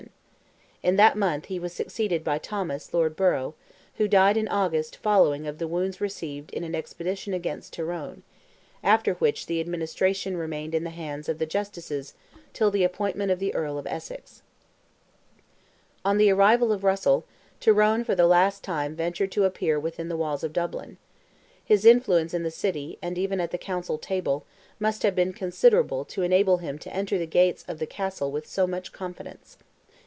In that month he was succeeded by Thomas, Lord Borough, who died in August following of the wounds received in an expedition against Tyrone; after which the administration remained in the hands of the Justices till the appointment of the Earl of Essex. On the arrival of Russell, Tyrone for the last time ventured to appear within the walls of Dublin. His influence in the city, and even at the Council table, must have been considerable to enable him to enter the gates of the Castle with so much confidence.